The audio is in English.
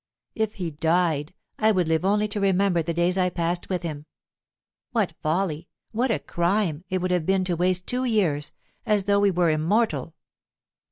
If he died, I would live only to remember the days I passed with him. What folly, what a crime, it would have been to waste two years, as though we were immortal!